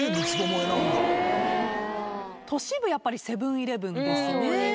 都市部やっぱりセブン−イレブンですね。